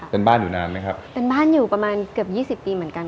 เป็นบ้านอยู่นานไหมครับบ้านอยู่เกือบประมาณ๒๐ปีเมื่อกัน